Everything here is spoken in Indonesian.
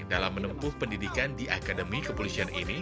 pada saat ini film ini telah menempuh pendidikan di akademi kepolisian ini